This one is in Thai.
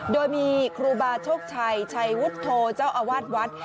โดยมีครูบาโชคชัยชัยวุฒโธเจ้าอาวาสวัด